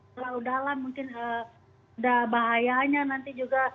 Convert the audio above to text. terlalu dalam mungkin ada bahayanya nanti juga